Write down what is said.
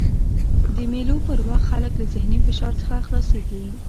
د مېلو پر وخت خلک له ذهني فشار څخه خلاصيږي.